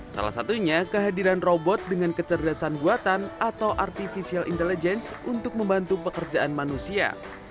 salah satunya kehadiran robot dengan kecerdasan buatan atau artificial intelligence untuk membantu pekerjaan manusia